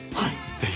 ぜひ！